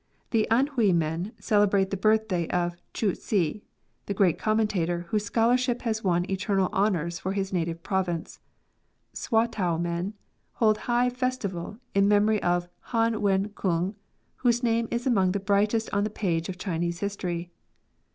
The Anhui men celebrate the birthday of Chu Hsi, the great commentator, whose scholarship has won eternal hon ours for his native province ; Swatow men hold high festival in memory of Han Wen kung, whose name is among the brightest on the page of Chinese history.